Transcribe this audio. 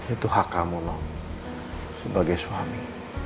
itu hak kamu sebagai suami